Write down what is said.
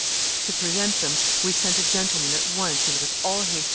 To prevent them, we sent a gentleman at once and with all haste to M.